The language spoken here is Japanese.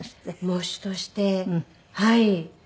喪主としてはい。